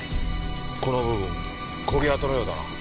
この部分焦げ跡のようだな。